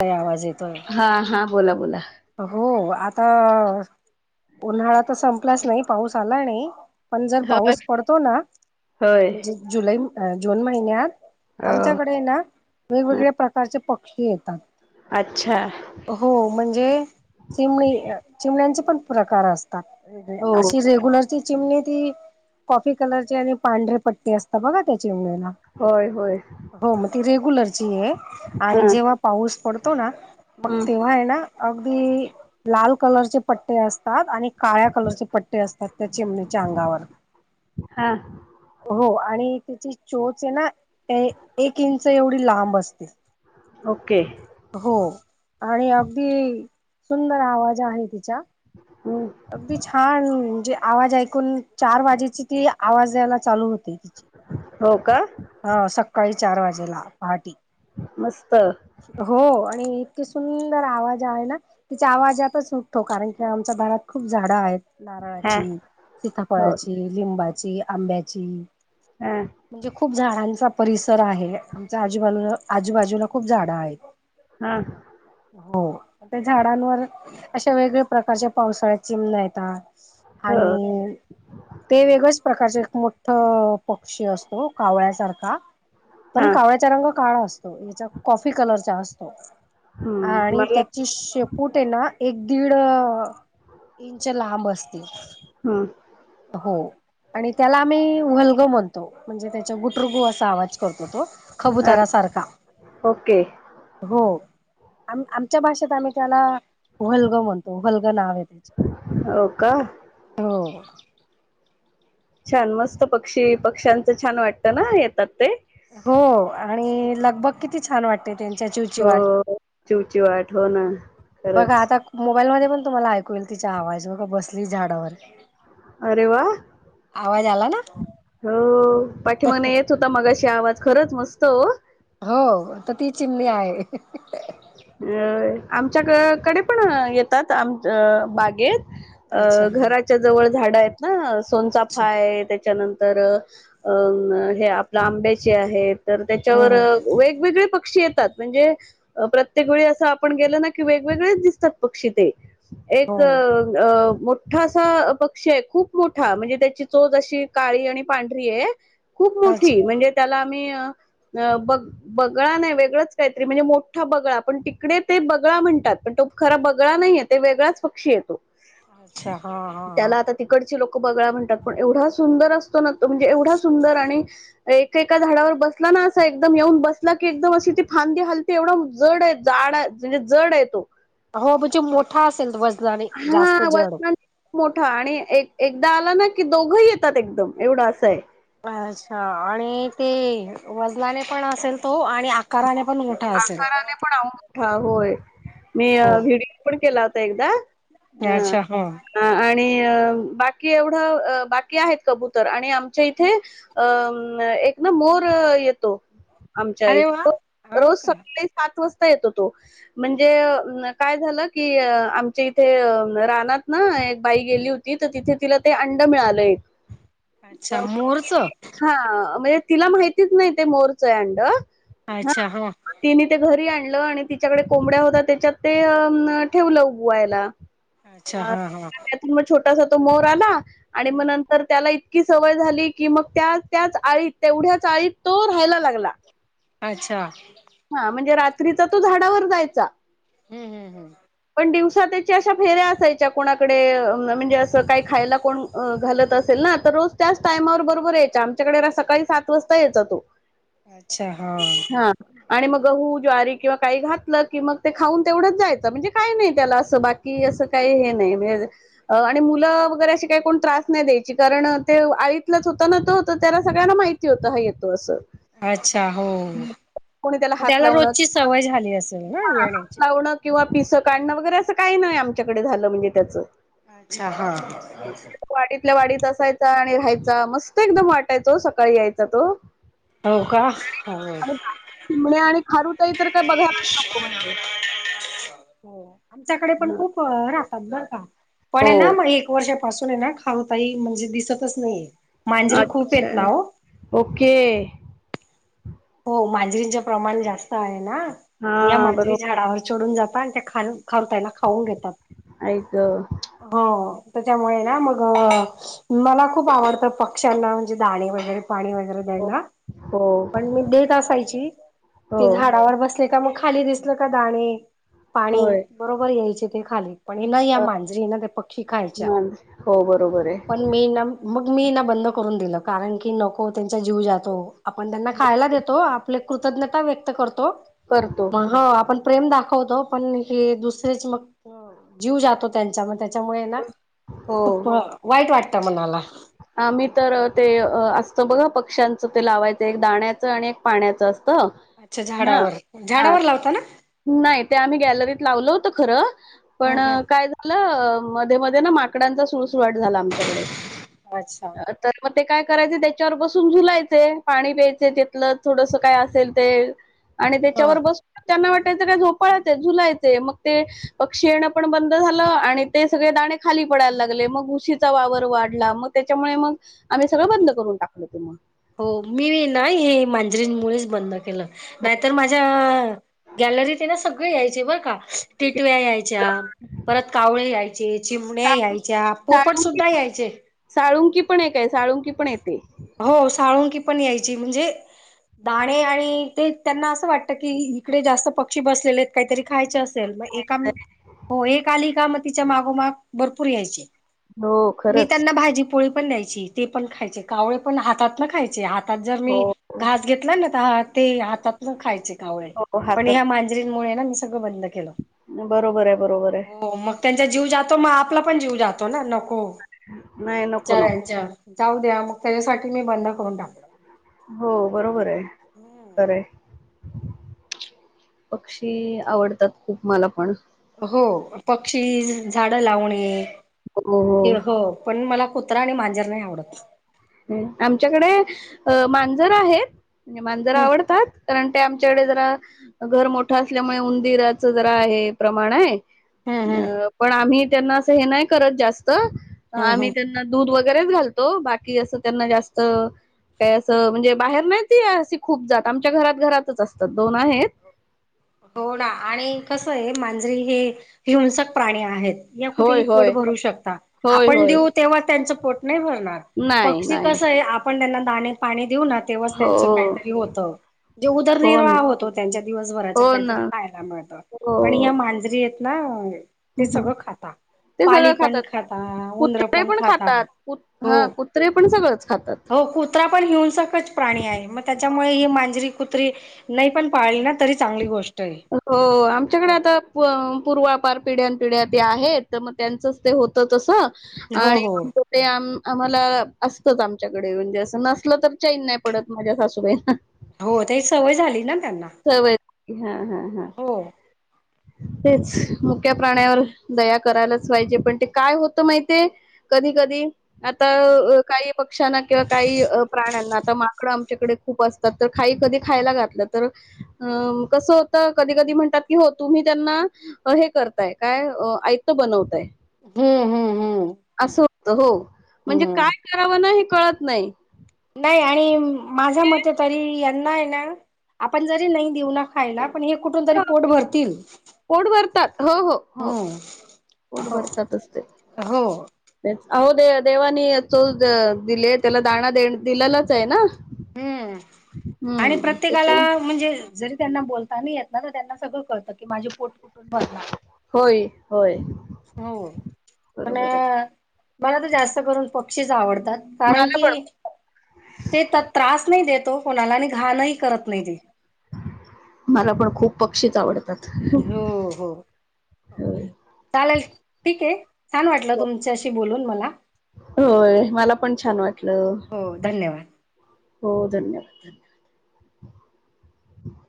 काय आवाज येतोय हा हा बोला बोला हो आता उन्हाळा तर संपलाच नाही पाऊस आला नाही पण जर होय पाऊस पडतो ना होय म्हणजे जुलै जून महिन्यात हो आमच्याकडे ना वेगवेगळ्या प्रकारचे पक्षी येतात अच्छा हो म्हणजे चिमणी चिमण्यांचे पण पुकार असत हो. अशी रेग्युलरची चिमणी ती कॉफी कलरची आणि पांढरे पट्टी असतात बघा त्या चिमणीला हो हो मग ती रेग्युलरची आहे हा आणि जेव्हा पाऊस पडतो ना मग तेव्हा आहे ना लाल कलरचे पट्टे असतात काळ्या कलरचे पट्टे असतात त्या चिमणीच्या अंगावर हा हो आणि त्याची चोच आहे ना एक इंच एवढी लांब असते ओके हो आणि अगदी सुंदर आवाज आहे तिचा अगदी छान म्हणजे आवाज ऐकून चार वाजेची ती आवाज द्यायला चालू होती हो का हा सकाळी चार वाजेला पहाटी मस्त हो आणि त सुंदर आवाज आहे ना तिच्या आवाजातच सुठतो कारण की आमच्या घरात खूप झाडं आहेत हा नारळाची हो सीताफळाची लिंबाची आंब्याची हा म्हणजे खूप झाडांचा परिसर आहे आमच्या आजूबाजूला आजूबाजूला खूप झाड आहेत हा हो त्या झाडांवर अशा वेगवेगळ्या प्रकारच्या पावसाळ्यात चिमन येतात हो आणि ते वेगळच प्रकारचे खूप मोठ पक्षी असतो कावळ्यासारखा हा पण कावळ्याचा रंग काळा असतो च्या हम्म आणि मला त्याची शेपूटेना एक दीड इंच लांब असतील हम हो आणि त्याला आम्ही वलग म्हणतो म्हणजे त्याचा गुटरुगू असा आवाज करतो तो हा कबुतरा सारखा ओके हो आ आमच्या भाषेत आम्ही त्याला हुहलग म्हणतो हहलग नाव येतो हो का हो छान मस्त पक्षी पक्ष्यांचं छान वाटत ना येतात ते हो आणि लगभग किती छान वाटत त्यां चची हो वाट चिवचिवाट हो ना बघा खरंच आता मोबाल म पण तुम्हाला ऐकूल तिचा आवाज बघ बसली झाडावर अरे वा आवाज आला ना हो पाठीमाने येत होता मगाशी आवाज खरच मस्त हो हो तर ती चिमणी आहे अ आमच्याकडे पण येतात आम बागेत अच्छा अ घराच्या जवळ झाडं आहेत ना सोनचाफ अच्छा आहे त्याच्यानंतर तर अं हे आपल्या आंब्याचे आहेत तर त्याच्यावर हम् हम वेगवेगळे पक्षी येतात म्हणजे प्रत्य ते वळी असं आपण गेल ना की वेगवेगळेच दिसतात पक्षी ते एक हो अ मोठाा पक्षी आहे खूप मोठा म्हणजे त्याची चोच अशी काळी आणि पांढरी आहे खूप त्याच मोठी म्हणजे त्याला बगळा नाही वेगळच काहीतरी म्हणजे मोठा बगळा पण तिकडे ते बगळा म्हणतात पण तो खरा बगळा नाहीे ते वेगळाच पक्षी येतो अच्छा हा हा हा. त्याला आता तिकडची लोक ब म्हणतात पण एवढा सुंदर असतो ना तो म्हणजे एवढा सुंदर आणि एकका झाडावर बसला एकदम येऊन बसला की एकदम अशी ती फांदीे हल एवढं जड आहे जाड म्हणजे जड य तो हो म्हणजे मोठा असेल वजनाने जास्त हा जड वजनाने मोठा आणि एक एकदा आला ना की दोघही येतात एकदम एवढं असं आहे अच्छा आणि ते वजलाने पण असेल तो आणि म आकाराने पण मोठा असेल आकाराने पण मोठा होय मी हो व्हिडिओ पण केला होता एकदा अ अच्छा हा अ आणि बाकी एवढं बाकी आहेत कबुतर आणि आमच्या इथे एक ना मोर येतो आमच्या अरे वा इथ हो रोज का. सकाळी सात वाजता येतो तो म्हणजे काय झालं की आमच्या इथे रानात ना एक बाई गेली होती तर तिथे तिला ते अं मि अच्छा मोरच म्हणजे तिला माहितीच नाही ते मोरचं अंड अच्छा हा तिने ते घरी आणि तिच्याकडे कोंबड्या होत त्याच्यात ते ठेवलं उबुवायला अच्छा अ हा हा. त्यातून मग छोटासा तो मोर आला आणि मग नंतर त्याला इतकी सवय झाली कि मग त्या त्याच आळीत तेवढ्याच आळीत तो राहायला लागला अच्छा हा म्हणजे रात्रीचा तो झाडावर जायचा हम्म हम्म हम्म दिव अश फेऱ्या असा कोकडे म्हणजे अस काही खायला घालत असेल ना तर रोज त्याच टायमावर बरोबर यायच्या आमच्याकडे सकाळी सात वाजता यायचा तो अच्छा हा हा आणि मग गहू ज्वारी किंवा काही घातलं की मग ते खाऊन तेवढंच जायचं म्हणजे काही नाही त्याला असं बाकी का नाही मु वै का त्रास नाही द्या कारण आ होता ना त होत त्याला सगळ्यांना माहिती होत ह येतो अस अच्छा हो कोणी हात त्याला लावणं रोजची किंवा सवय झाली असेल ना हा हात येण्याची लावणं किंवा पिसं काढणं वगैरे असं काही नाही आमच्याकडे झालं म्हणजे त्याचं अच्छा हा वाढतल्या वाढत असाय आणि राहायचा मस्त एकदम वाटायचो सकाळी यायचा तो हो का हो िणे आणि खारु तई तर काय बघायलाच नको म्हणजे हो आमच्याकडे पण खूप राहतात बरं का पण हो ना मग एक वर्ष पासून आहे ना खाऊताई म्हणजे दिसतच नाही. मांजरीे खूप येत अच्छा ना हो. ओके हो माजरींच प्रमाण जास्त आहे ना या हा माजरी बरोबर झाडावर चडून जाता आणि ते खारुताई खताना खाऊन घेतात ऐक गं. हो. त्याच्यामुळे ना मग मला खूप आवडतं पक्ष्यांना म्हणजे दाणे वगैरे पाणी वगैरे द्यायला. [inaudible] पण मी देत असायची हो ते झाडावर बसले, का मग खाली दिसल का दाणे पाणी होय बरोबर यायचे ते खाली. पण ह न या अ, मांजरी ना ते पक्षी खायच्या मान हो बरोबर आहे पण मी ना मग मी बंद करून दिलं कारण की नको त्यांचा जीव जातो आपण त्यांना हो खायला देतो आप कृतज्ञता व्यक्त करतो करतो आपण प्रेम दा होगो पण हे दुसरच मग जीव जातो त्यां त्यामुळे ना हो खूप वाईट वाटत मनाला. आम्ही तर ते असत बघा पक्ष्यांचं ते लावायचं एक दाण्याचं आणि एक पाण्याच अस अच्छा झाडावर झाडावर लावता ना [unintelligible] नाही ते आम्ही गॅलरीत लावल होत खरं, पण हम्म काय झालं मध्ये मध्ये ना माकडांचा सुळसुळाट झाला आमच्याकडे. हम्म अच्छा तर म ते काय करायचे त्याच्यावर बसून झुलायचे पाणी प्यायचे तेथलं थोडस काय असेल ते. आणि त्याच्यावर हा बसून त्यांना वाटायचं काय झोपाळ च झुलाय मग ते पक्षी येण पण बंद झालं आणि ते सगळे दाणे खाली पडायला लागले मग उशीचा वा वर वाढला मग त्याच्यामुळे मग आम्ही सगळं बंद करून टाकलं ते मग हो मी नाही. मांजरीमुळे बंद केलं नाहीतर, माझ्या गॅलरीत सग यायचे बर का टिटव्या यायच्या. परत कावळे यायचे, चिमण्या यायच्या, पोपट साळुंकी सुद्धा यायचे. साळुंकी पण एकये साळुंकी पण येती. हो साळुंकी पण यायची म्हणजे दाणे आणि ते त्यांना असं वाटत की इकडे जास्त पक्षी बसलेले आहेत काहीतरी खायचे अस मग ए हो एक आली का मग तिच्या मागोमाग भरपूर यायचे. हो मी खरंच. त्यांना भाजी पोळी पण द्यायची ते पण खायचे कावळे पण हात न खायचे हात हात जर हो मी घास घेतला ना तर ते हातात खायचे. हो पण हातात ह्या मांजरींमुळे ना. सगळं बंद केलं. बरोबर आहे बरोबर आहे हो मग त्यांचा जीव जातो, मग आपला पण जीव जातो ना. नाही नको नको बिचाऱ्यांच्या जाऊ द्या मग त्याच्यासाठी मी बंद करून टाक. हो बरोबर आहे. खर आहे. पक्षी आवडतात खूप मला पण हो पक्षी झाड लावणे कि हो पण मला फ कुत्रा आणि मांजर नाही आवडत. आमच्याकडे अ मांजर आहेत. म्हंजे मांजरा हम्म आवडतात कारण ते आमच्याकडे जरा घर मोठं असल्यामुळे उंदीराच जरा आहे प्रमाण आहे. हम्म हम्म पण आम्ही त्यांना अस हे नाही करत जास्त, हम्म हम्म आम्ही त्यांना दूध वगैरेच घालतो बा कि असं त्यांना जास्त काय असं म्हणजे बाहेर नाही त असे खूप जात आमच्या घरात घरातच असतात दोन आहेत. होना आणि कस आहे मांजरी हे हिंसक प्राणी आहेत या कुठेही होय पोट होय भरू शकता. होय आपण होय देऊ तेव्हा त्यांच नाही भरणार. नाही पक्षी नाही कस आहे, आपण त्यां पा देऊ ना तेव्हाच हो त्यांच काहीतरी होत ज हो ना उदरनिर्वाह होतो त्यांच्या दिवसभराच्या हो ना काहीतरी खायला मिळत पण हो ह्या मांजरी आहेत ना ते हं. सगळं खाता ते पाली सगळं पण खातात. खाता उंदर कुत्रे पण खाता खातात. कुत हो हां, कुत्रे पण सगळंच खातात. हो कुत्र पणेऊन प्राणी आहे मग त्याच्यामुळे ही मांजरी कुत्री नाही पण पाळली ना तरी चांगली गोष्ट आहे हो आमच्याकडे हो आता पूर्वा पिढ्या पिढ्या ते आहेत तर मग त्यांचच ते होत तस हो आणि हो आ ते आम्हाला असतच आमच्याकडे म्हणजे अस नसलं तर चाईन नाही पडत माझ्या सासूबाईंना हो ते एक सवय झाली ना त्यांना हा हा हा हो [inaudible] तेच मुख्या प्राण्यावर दया करायलाच पाहिजे पण ते काय होतं माहितिये कधी कधी आता काही पक्ष्यांना किंवा काही प्राण्यांना आता माकडं खप असतात खा कधी खायला घातलं तर कस होत कधी कधी म्हणतात क तुम्ही त्यांना हे करताय काय ऐतं बनवताय हम्म हम्म हम्म असं होत हो म्हणजे हम्म काय करावं ना हे कळत नाही नाही आणि माझ्या मते तरी ना आपण जरी नाही देऊ ना खायला पण हे कुठ तरी पोट भरतील पोट भरतात हो हो हो पोट भरतातचते हो अहो दे देवानी चोच दिले त्याला दाणा दे दिलेलाच आहे ना हम्म आणि हम्म त्याच्या प्रत्येकाला म्हणजे जरी त्यांना बोलता नाही येत न त्यांना सगळं कळतं की माझे पोट कुठून भरणार होय होय हो पण बरोबर आहे मला तर जास्त करून पक्षीच आवडत कारण मला पण की ते त्रास नाही देत तो कोणाला आणि घाणही करत नाही ते मला पण खूप पक्षीच आवडत हो हो होय चालेल ठीक आहे छान वाटलं तुमच्याशी बोलून मला होय मला पण छान वाटलं हो धन्यवाद हो धन्यवाद